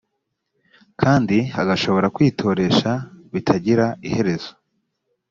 kandi agashobora kwitoresha bitagira iherezo